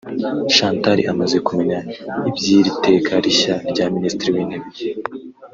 Chantal amaze kumenya iby’iri teka rishya rya Minisitiri w’Intebe